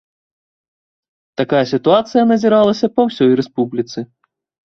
Такая сітуацыя назіралася па ўсёй рэспубліцы.